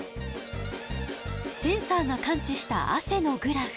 センサーが感知した汗のグラフ。